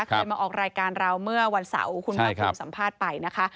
เคยมาออกรายการเราเมื่อวันเสาร์คุณภาคภูมิสัมภาษณ์ไปนะคะ